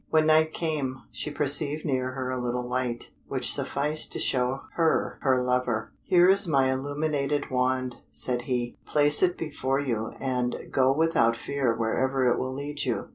When night came, she perceived near her a little light, which sufficed to show her her lover. "Here is my illuminated wand," said he: "place it before you, and go without fear wherever it will lead you.